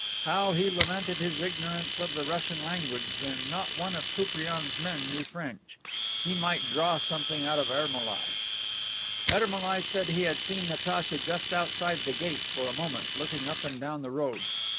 How he lamented his ignorance of the Russian language and not one of Koupriane's men knew French. He might draw something out of Ermolai. Ermolai said he had seen Natacha just outside the gate for a moment, looking up and down the road.